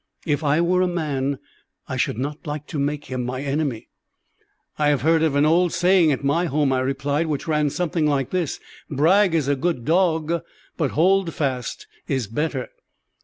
If I were a man I should not like to make him my enemy." "I have heard of an old saying at my home," I replied, "which ran something like this, 'Brag is a good dog, but Holdfast is better.'"